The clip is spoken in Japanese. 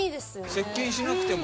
接近しなくても。